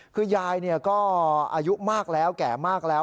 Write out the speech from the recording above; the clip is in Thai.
คือยายก็อายุมากแล้วแก่มากแล้ว